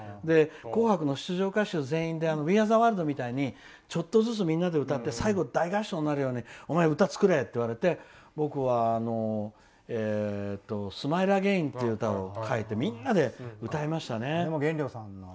「紅白」の出場歌手の皆さんで「ウィーアーザワールド」みたいにちょっとずつみんなで歌って最後、大合唱になるように歌を作れって僕は「ＳＭＩＬＥＡＧＡＩＮ」という歌を書いて、みんなで歌いましたね。